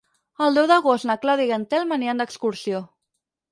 El deu d'agost na Clàudia i en Telm aniran d'excursió.